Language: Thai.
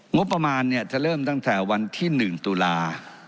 งบประมาณจะเริ่มตั้งแต่วันที่๑ตุลา